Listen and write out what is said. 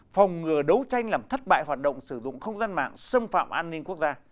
phòng ngừa đấu tranh làm thất bại hoạt động sử dụng không gian mạng xâm phạm an ninh quốc gia